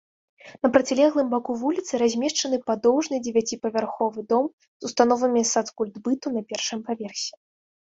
На процілеглым баку вуліцы размешчаны падоўжны дзевяціпавярховы дом з установамі сацкультбыту на першым паверсе.